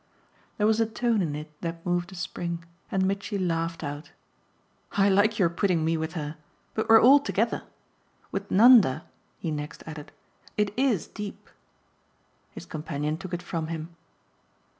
There was a tone in it that moved a spring, and Mitchy laughed out. "I like your putting me with her! But we're all together. With Nanda," he next added, "it IS deep." His companion took it from him.